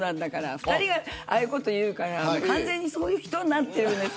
２人がああいうことを言うから完全にそういう人になってる。